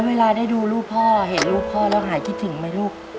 เวลาได้ดูรูปพ่อเห็นรูปพ่อแล้วหายคิดถึงไหมลูก